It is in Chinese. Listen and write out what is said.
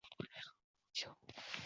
毋丘俭事后被诛灭三族。